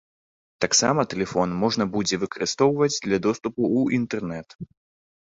Таксама тэлефон можна будзе выкарыстоўваць для доступу ў інтэрнэт.